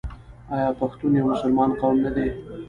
آیا پښتون یو مسلمان قوم نه دی؟